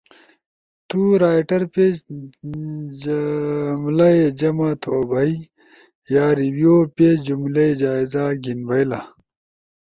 تُو ڑائیٹر پیج جمل ئی جمع توبھئی، یا ریویو پیج جملئی جائزہ گھیِن بئئیلا۔